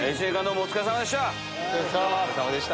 お疲れさまでした。